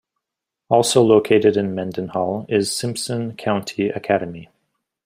Also located in Mendenhall is Simpson County Academy.